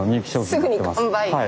すぐに完売。